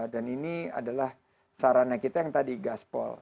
dan ini adalah sarana kita yang tadi gaspol